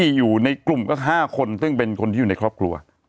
อยู่ในกลุ่มก็๕คนซึ่งเป็นคนที่อยู่ในครอบครัว